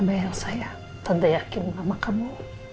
cuma yang tambah saya tidak yakin sama kamu